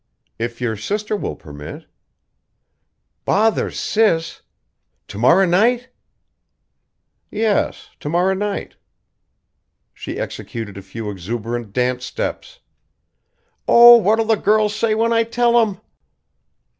"If your sister will permit " "Bother Sis! To morrow night?" "Yes, to morrow night." She executed a few exuberant dance steps. "Oh, what'll the girls say when I tell 'em?"